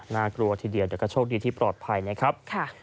น่ากลัวทีเดียวแต่ก็โชคดีที่ปลอดภัยนะครับ